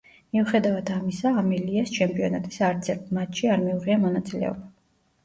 მიუხედავად ამისა, ამელიას, ჩემპიონატის არცერთ მატჩში არ მიუღია მონაწილეობა.